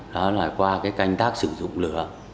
đó là qua cái canh tác sử dụng lửa